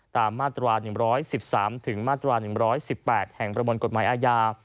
ตามมาตรา๑๑๓ถึงมาตรา๑๑๘แห่งประมวลกฎหมายอาญา